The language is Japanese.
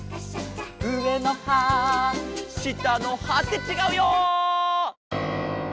「うえのはしたのは」ってちがうよ！